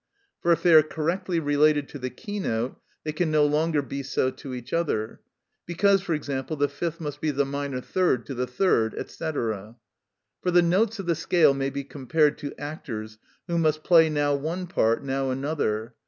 For if they are correctly related to the keynote, they can no longer be so to each other; because, for example, the fifth must be the minor third to the third, &c. For the notes of the scale may be compared to actors who must play now one part, now another.